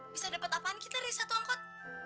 bisa dapat apaan kita dari satu angkot